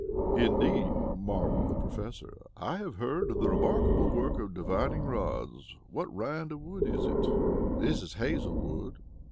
"Indeed," marveled the Professor. "I have heard of the remarkable work of divining rods. What Rind of wood is it?" "This is hazel wood.